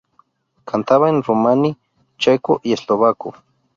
Cantaba en romaní, checo y eslovaco.